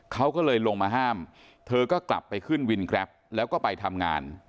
เขาก็เลยลงมาห้ามเธอก็กลับไปขึ้นวินแกรปแล้วก็ไปทำงาน